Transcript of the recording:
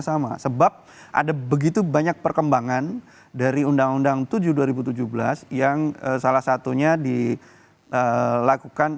sama sebab ada begitu banyak perkembangan dari undang undang tujuh dua ribu tujuh belas yang salah satunya dilakukan